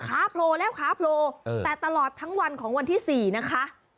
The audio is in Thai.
โผล่แล้วขาโผล่แต่ตลอดทั้งวันของวันที่๔นะคะ